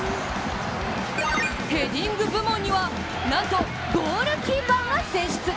ヘディング部門にはなんとゴールキーパーが選出。